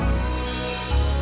mereka bakal masuk kemari